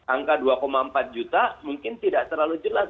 angka dua empat juta mungkin tidak terlalu jelas